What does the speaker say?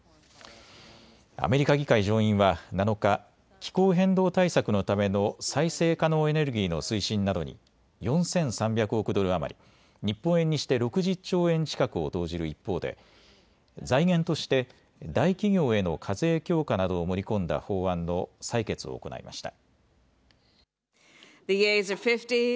アメリカ議会上院は７日、気候変動対策のための再生可能エネルギーの推進などに４３００億ドル余り日本円にして６０兆円近くを投じる一方で、財源として大企業への課税強化などを盛り込んだ法案の採決を行いました。